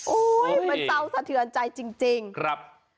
มันเป็นเตาสะเทือนใจจริงครับ